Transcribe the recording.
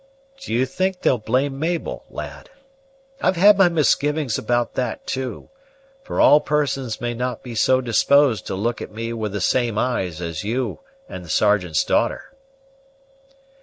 "Do you think they'll blame Mabel, lad? I've had my misgivings about that, too; for all persons may not be so disposed to look at me with the same eyes as you and the Sergeant's daughter."